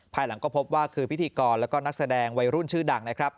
ภายหลังก็พบว่าคือพิธีกรแล้วก็นักแสดงวัยรุ่นชื่อดังนะครับ